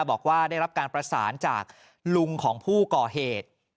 บอกว่าได้รับการประสานจากลุงของผู้ก่อเหตุ